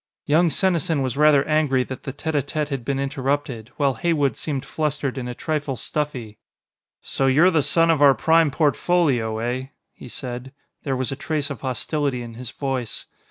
Young Senesin was rather angry that the tête á tête had been interrupted, while Heywood seemed flustered and a trifle stuffy. "So you're the son of our Prime Portfolio, eh?" he said. There was a trace of hostility in his voice.